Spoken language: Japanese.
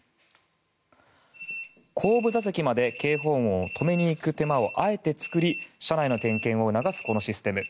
後部座席まで警報音を止めに行く手間をあえて作り車内の点検を促すこのシステム。